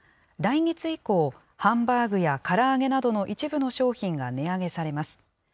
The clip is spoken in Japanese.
来月以降、ハンバーグやから揚げなどの一部の商品が値上げされます。